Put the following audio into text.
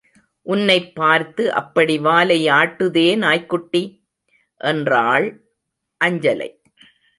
உன்னைப் பார்த்து அப்படி வாலை ஆட்டுதே நாய்க்குட்டி? என்றாள் அஞ்சலை.